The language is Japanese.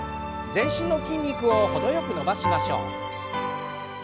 全身の筋肉を程よく伸ばしましょう。